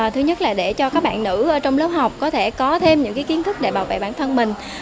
thứ nhất là để cho các bạn nữ trong lớp học có thể có thêm những kiến thức để bảo vệ bản thân mình